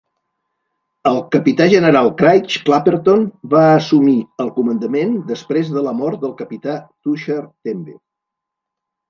El capità general Craig Clapperton va assumir el comandament després de la mort del capità Tushar Tembe.